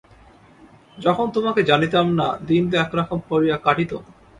যখন তোমাকে জানিতাম না, দিন তো একরকম করিয়া কাটিত।